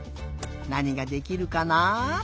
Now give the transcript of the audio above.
なにができるかな？